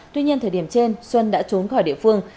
tuy nhiên thời điểm trên xuân đã trốn khỏi địa phương